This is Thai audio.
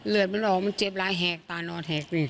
เลือดมันออกมันเจ็บร้ายแหกตานอนแหก